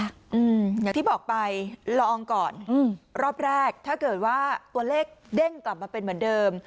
อย่างที่บอกไปลองก่อนอืมรอบแรกถ้าเกิดว่าตัวเลขเด้งกลับมาเป็นเหมือนเดิม